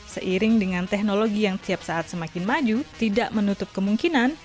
seiring dengan teknologi yang tiap saat semakin maju tidak menutup kemungkinan